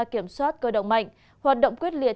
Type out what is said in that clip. kiểm soát cơ động mạnh hoạt động quyết liệt